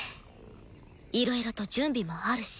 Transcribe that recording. いろいろと準備もあるし。